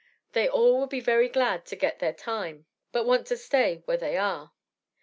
They all would be very glad to get their time, but want to stay where they are."